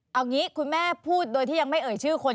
เอางี้คุณแม่พูดโดยที่ยังไม่เอ่ยชื่อคน